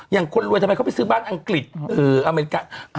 คนรวยทำไมเขาไปซื้อบ้านอังกฤษอเมริกา